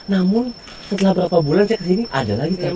namun setelah beberapa bulan saya ke sini ada lagi terbaru